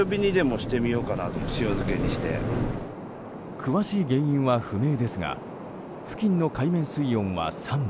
詳しい原因は不明ですが付近の海面水温は３度。